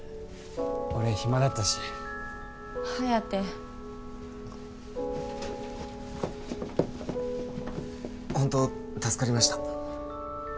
俺暇だったし颯ホント助かりました